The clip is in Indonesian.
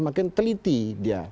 makin teliti dia